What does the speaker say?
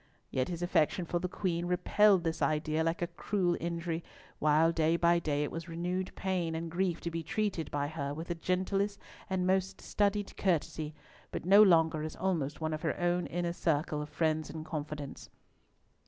Yet his affection for the Queen repelled this idea like a cruel injury, while, day by day, it was renewed pain and grief to be treated by her with the gentlest and most studied courtesy, but no longer as almost one of her own inner circle of friends and confidants.